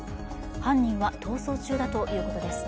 犯人は逃走中だということです。